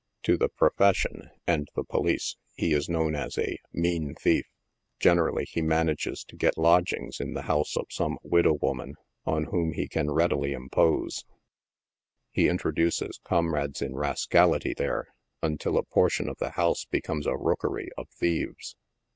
To the " profession" and the police he is known as a " mean thief ;" generally, he manages to get lodgings in the house of some widow woman, on whom he can readily impose 5 he intro duces comrades in rascality there, until a portion of the house be comes a rookery of thieves.